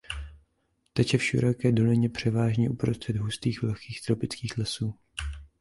Teče v široké dolině převážně uprostřed hustých vlhkých tropických lesů.